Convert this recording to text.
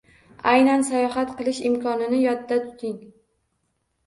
Aynan sayohat qilish imkonini yodda tuting